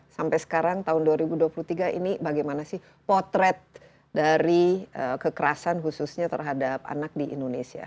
sampai sekarang tahun dua ribu dua puluh tiga ini bagaimana sih potret dari kekerasan khususnya terhadap anak di indonesia